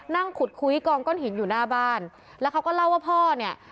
นั่งขุดคุยกองก้นหินอยู่หน้าบ้านแล้วเขาก็เล่าว่าพ่อเนี่ย